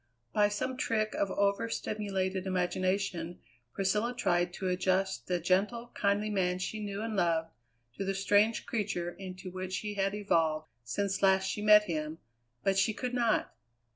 By some trick of over stimulated imagination Priscilla tried to adjust the gentle, kindly man she knew and loved to the strange creature into which he had evolved since last she met him, but she could not!